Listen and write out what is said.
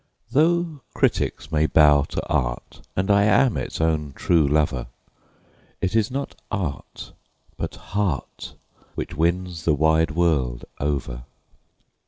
Though critics may bow to art, and I am its own true lover, It is not art, but heart, which wins the wide world over.